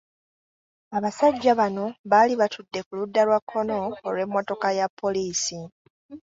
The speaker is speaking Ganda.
Abasajja bano baali batudde ku ludda lwa kkono olw’emmotoka ya poliisi .